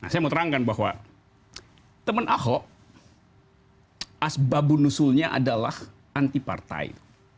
saya mau terangkan bahwa teman ahok asbabunusulnya adalah anti partai